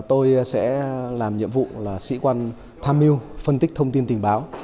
tôi sẽ làm nhiệm vụ là sĩ quan tham mưu phân tích thông tin tình báo